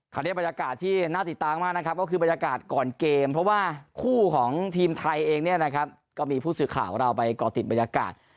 บรรยากาศที่น่าติดตามมากนะครับก็คือบรรยากาศก่อนเกมเพราะว่าคู่ของทีมไทยเองเนี่ยนะครับก็มีผู้สื่อข่าวของเราไปก่อติดบรรยากาศ